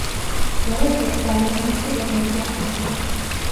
დოროთეა ძალიან სუსტი რეგენტი აღმოჩნდა.